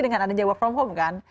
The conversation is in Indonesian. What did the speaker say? dengan adanya work from home kan